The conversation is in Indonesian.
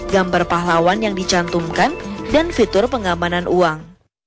gambar pahlawan yang dicantumkan dan fitur pengamanan uang